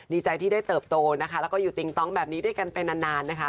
ดีใจที่ได้เติบโตนะคะแล้วก็อยู่ติงต้องแบบนี้ด้วยกันไปนานนะคะ